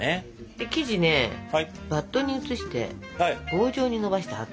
で生地ねバットに移して棒状にのばして８等分。